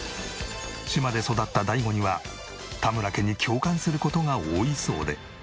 島で育った大悟には田村家に共感する事が多いそうで。